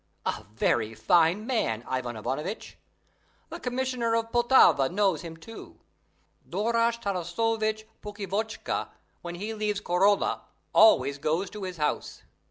A very fine man, Ivan Ivanovitch! The commissioner of Poltava knows him too. Dorosh Tarasovitch Pukhivotchka, when he leaves Khorola, always goes to his house.